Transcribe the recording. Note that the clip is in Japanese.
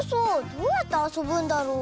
どうやってあそぶんだろう。